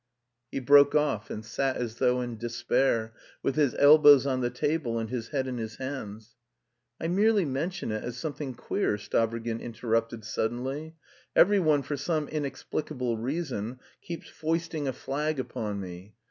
He broke off, and sat as though in despair, with his elbows on the table and his head in his hands. "I merely mention it as something queer," Stavrogin interrupted suddenly. "Every one for some inexplicable reason keeps foisting a flag upon me.